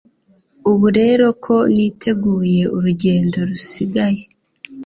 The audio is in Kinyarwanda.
ubu rero ko niteguye urugendo rusigaye,